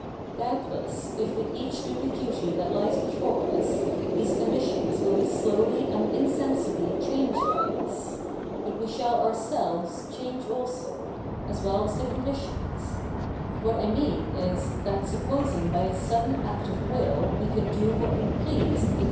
Doubtless, if we each do the duty that lies before us, these conditions will be sloivly and insensibly chaiiged by us ; but 7ve shall ourselves change also, as ivell as the conditions ; what I mean is, that supposi?ig by a sudden act of will we could do what ive pleased with the co?